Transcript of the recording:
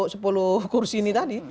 sepuluh kursi ini tadi